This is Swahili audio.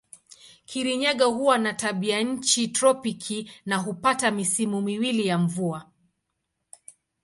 Kirinyaga huwa na tabianchi tropiki na hupata misimu miwili ya mvua.